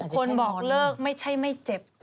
คนบอกเลิกไม่ใช่ไม่เจ็บ